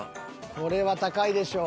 これは高いでしょう。